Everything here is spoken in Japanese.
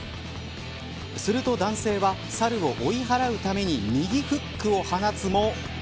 すると男性はサルを追い払うために右フックを放つも。